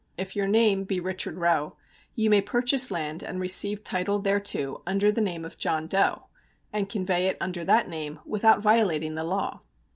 If your name be Richard Roe you may purchase land and receive title thereto under the name of John Doe, and convey it under that name without violating the law.